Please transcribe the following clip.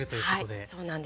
はいそうなんです。